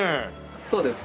そうです。